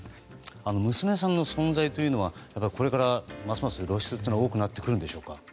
娘さんの存在というのはこれからますます露出が多くなってくるんでしょうか。